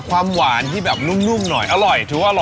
ความหวานที่แบบนุ่มหน่อยอร่อยถือว่าอร่อย